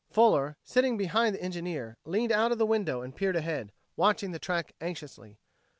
Fuller, sitting behind the engineer, leaned out of the window and peered ahead, watching the track anxiously.